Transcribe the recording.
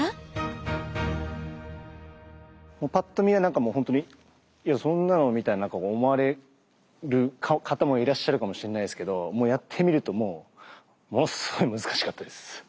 ぱっと見はなんかもう本当にいやそんなのみたいに思われる方もいらっしゃるかもしれないですけどもうやってみるともうものすごい難しかったです。